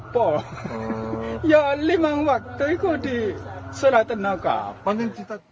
berjalan ke kabupaten kertama